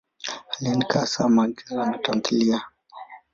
Aliandika hasa maigizo na tamthiliya.